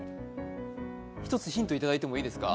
１つ、ヒントいただいてもいいですか？